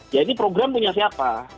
ya ini program punya siapa